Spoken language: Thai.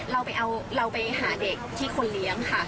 เราไปหาเด็กที่คนเลี้ยงค่ะ